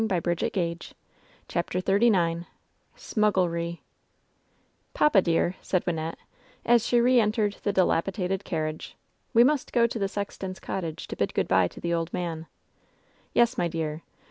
LOVE'S BITTEREST CUE 889 CHAPTER XXXIX "SMUGGLEEy ''Papa, dear/' said Wynnette as she re entered the di lapidated carriage, 'Ve must go to the sexton's cottage to bid good by to the old man." "Yes, my dear.